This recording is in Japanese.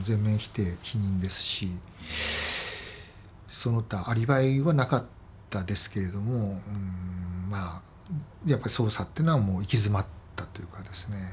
その他アリバイはなかったですけれどもまあやっぱ捜査っていうのは行き詰まったというかですね。